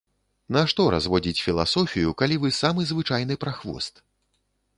Нашто разводзіць філасофію, калі вы самы звычайны прахвост.